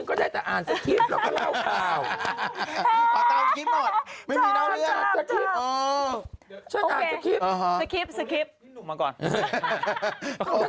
ก็ได้แต่อ่านสคริปต์เราก็เล่าข่าว